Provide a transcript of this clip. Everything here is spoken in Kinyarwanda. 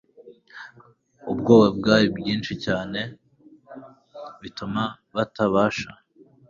ubwabo byari byinshi cyane bituma batabasha